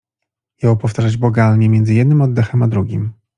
Jął powtarzać błagalnie między jednym oddechem a drugim.